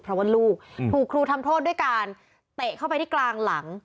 เพราะว่าลูกถูกครูทำโทษด้วยการเตะเข้าไปที่กลางหลัง